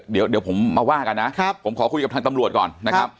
เดี๋ยวผมมาว่ากันนะผมขอคุยกับทางตำรวจก่อนนะครับ